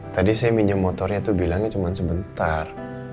tadi saya minjem motornya itu bilangnya cuma sebentar